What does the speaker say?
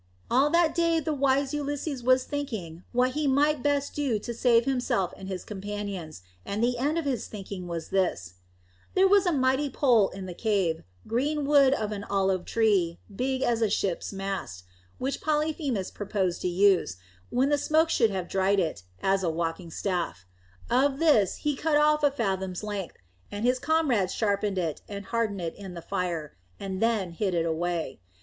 All that day the wise Ulysses was thinking what he might best do to save himself and his companions, and the end of his thinking was this: There was a mighty pole in the cave, green wood of an olive tree, big as a ship's mast, which Polyphemus purposed to use, when the smoke should have dried it, as a walking staff. Of this he cut off a fathom's length, and his comrades sharpened it and hardened it in the fire, and then hid it away.